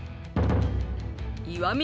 石見